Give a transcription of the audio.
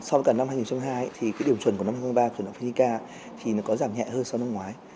so với cả năm hai nghìn hai mươi hai thì cái điểm chuẩn của năm hai nghìn ba của đạo phiên nhi ca thì nó có giảm nhẹ hơn so với năm ngoái